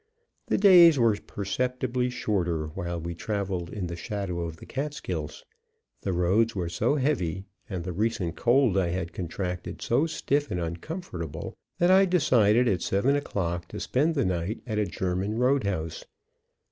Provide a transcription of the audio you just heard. The days were perceptibly shorter while we traveled in the shadow of the Catskills. The roads were so heavy, and the recent cold I had contracted so stiff and uncomfortable, that I decided at seven o'clock to spend the night at a German road house.